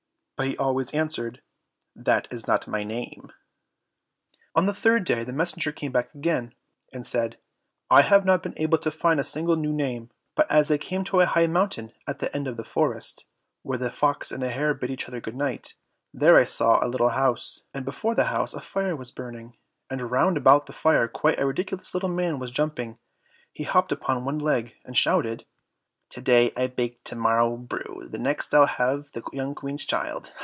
but he always answered, "That is not my name." On the third day the messenger came back again, and said, "I have not been able to find a single new name, but as I came to a high mountain at the end of the forest, where the fox and the hare bid each other good night, there I saw a little house, and before the house a fire was burning, and round about the fire quite a ridiculous little man was jumping: he hopped upon one leg, and shouted— "To day I bake, to morrow brew, The next I'll have the young Queen's child.